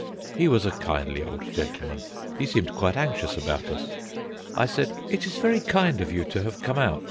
He was a kindly old gentleman; he seemed quite anxious about us. I said: "It is very kind of you to have come out.